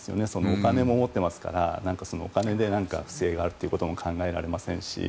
お金も持ってますからお金で不正があるということも考えられませんし。